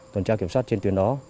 tuần tra kiểm soát trên tuyến đó